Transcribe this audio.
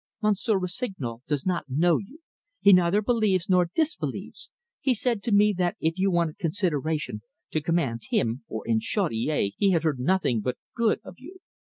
"Monsieur Rossignol does not know you. He neither believes nor disbelieves. He said to me that if you wanted consideration, to command him, for in Chaudiere he had heard nothing but good of you.